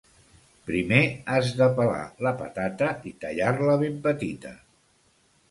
Primer has de pelar la patata i tallar-la ben petita.